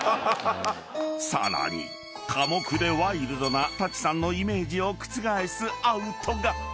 ［さらに寡黙でワイルドな舘さんのイメージを覆すアウトが］